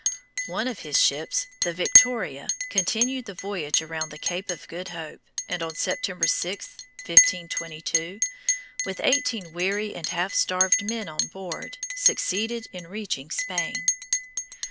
One of his ships, the Victoria, continued the voyage around Cape of Good Hope, and on September 6, 1522, with eighteen weary and half starved men on board, succeeded in reaching Spain.